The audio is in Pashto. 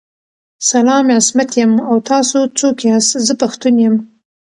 سلام عصمت یم او تاسو څوک ياست ذه پښتون یم